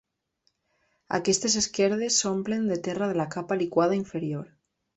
Aquestes esquerdes s'omplen de terra de la capa liquada inferior.